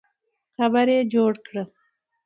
قبر یې جوړ کړه.